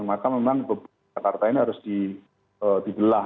maka memang jakarta ini harus digelah